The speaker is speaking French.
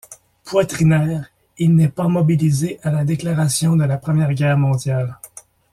Poitrinaire, il n'est pas mobilisé à la déclaration de la Première Guerre mondiale.